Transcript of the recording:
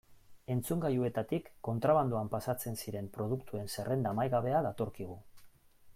Entzungailuetatik kontrabandoan pasatzen ziren produktuen zerrenda amaigabea datorkigu.